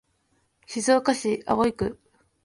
静岡市葵区